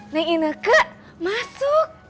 neng enaknya masuk